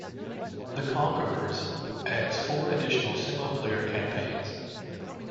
"The Conquerors" adds four additional single player campaigns.